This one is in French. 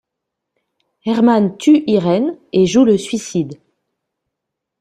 Herman tue Irène et joue le suicide.